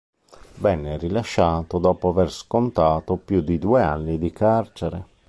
Venne rilasciato dopo avere scontato più di due anni di carcere.